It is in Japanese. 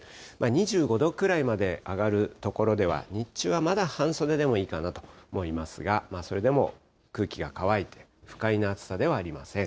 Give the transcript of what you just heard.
２５度くらいまで上がる所では、日中はまだ半袖でもいいかなと思いますが、それでも空気が乾いて、不快な暑さではありません。